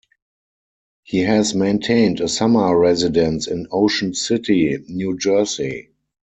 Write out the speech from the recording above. He has maintained a summer residence in Ocean City, New Jersey.